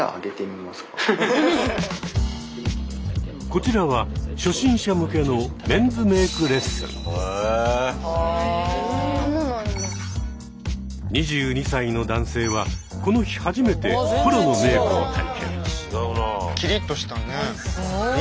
こちらは初心者向けの２２歳の男性はこの日初めてプロのメークを体験。